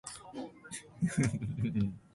比叡山、比良山が一望できるところでした